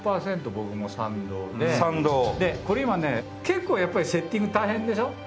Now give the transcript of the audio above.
でこれ今ね結構やっぱりセッティング大変でしょ？